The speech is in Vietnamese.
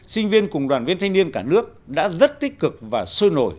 sinh viên cùng đoàn viên thanh niên cả nước đã rất tích cực và sôi nổi